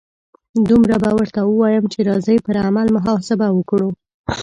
دومره به ورته ووایم چې راځئ پر عمل محاسبه وکړو.